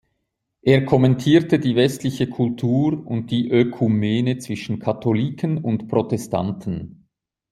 Er kommentierte die westliche Kultur und die Ökumene zwischen Katholiken und Protestanten.